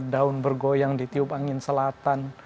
daun bergoyang ditiup angin selatan